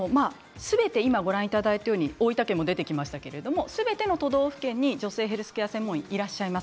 すべて今、ご覧いただいたように大分県も出てきましたけどすべての都道府県に女性ヘルスケア専門医がいらっしゃいます。